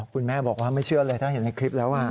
คุณแม่บอกว่าไม่เชื่อเลยถ้าเห็นในคลิปแล้ว